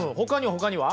ほかには？